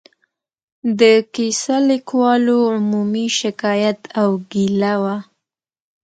د کیسه لیکوالو عمومي شکایت او ګیله وه.